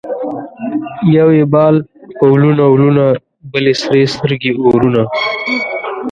یو یې بال په ولونه ولونه ـ بل یې سرې سترګې اورونه